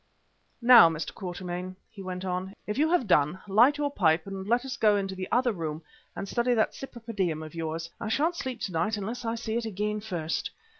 "Now, Mr. Quatermain," he went on, "if you have done, light your pipe and let's go into the other room and study that Cypripedium of yours. I shan't sleep to night unless I see it again first.